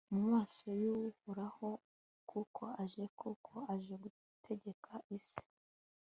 mu maso y'uhoraho, kuko aje, kuko aje gutegeka isi